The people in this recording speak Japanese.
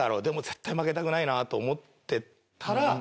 でも絶対負けたくないなと思ってたら。